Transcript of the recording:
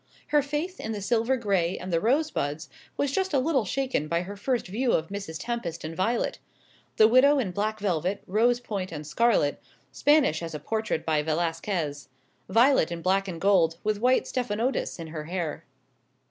Her faith in the silver gray and the rosebuds was just a little shaken by her first view of Mrs. Tempest and Violet; the widow in black velvet, rose point, and scarlet Spanish as a portrait by Velasquez; Violet in black and gold, with white stephanotis in her hair.